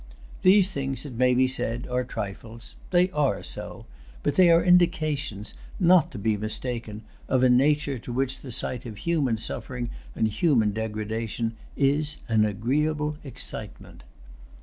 These things, it may be said, are trifles. They are so; but they are indications, not to be mistaken, of a nature to which the sight of human suffering and human degradation is an agreeable excitement.